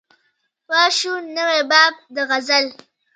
وا شو نوی باب د غزل